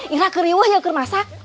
irah keriwai yukur masak